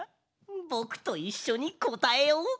ぼくといっしょにこたえよう。